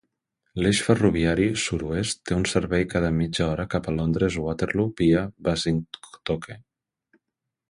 L"eix ferroviari sur-oest té un servei cada mitja hora cap a Londres Waterloo via Basingtoke.